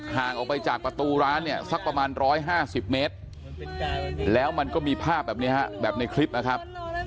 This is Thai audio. ห่างออกไปจากประตูร้านเนี่ยสักประมาณ๑๕๐เมตรแล้วมันก็มีภาพแบบนี้ฮะแบบในคลิปนะครับ